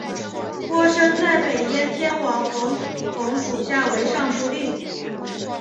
郭生在北燕天王冯弘属下为尚书令。